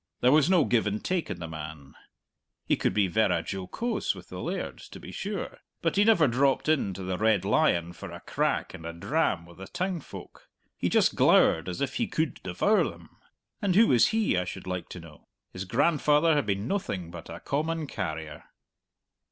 There was no give and take in the man; he could be verra jocose with the lairds, to be sure, but he never dropped in to the Red Lion for a crack and a dram with the town folk; he just glowered as if he could devour them! And who was he, I should like to know? His grandfather had been noathing but a common carrier!